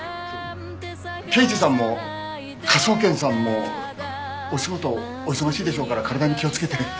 刑事さんも科捜研さんもお仕事お忙しいでしょうから体に気をつけて。